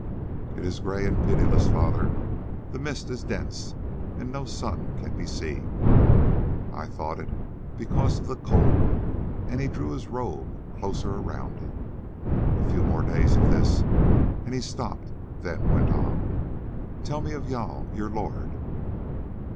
"It is grey and pitiless, father. The mist is dense and no sun can be seen." "I thought it, because of the cold," and he drew his robe closer round him. "A few more days of this——" and he stopped, then went on. "Tell me of Jâl, your lord."